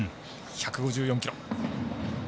１５４キロ。